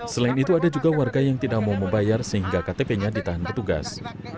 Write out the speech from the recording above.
selain itu ada juga warga yang tidak mau membayar sehingga ktp nya ditahan petugas